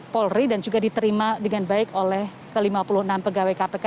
polri dan juga diterima dengan baik oleh ke lima puluh enam pegawai kpk